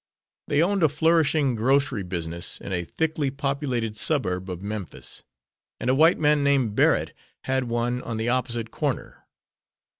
They owned a flourishing grocery business in a thickly populated suburb of Memphis, and a white man named Barrett had one on the opposite corner.